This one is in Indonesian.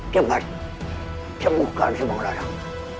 cepat sembuhkan sembong larang